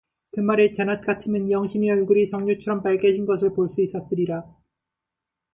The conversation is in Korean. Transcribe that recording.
그 말에 대낮 같으면 영신의 얼굴이 석류처럼 빨개진 것을 볼 수 있었으리라.